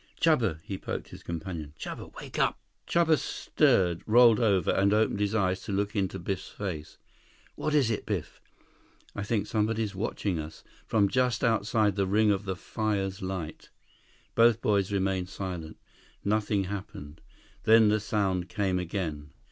"Chuba." He poked his companion. "Chuba, wake up." Chuba stirred, rolled over, and opened his eyes to look into Biff's face. "What is it, Biff?" "I think somebody's watching us. From just outside the ring of the fire's light." Both boys remained silent. Nothing happened. Then the sound came again.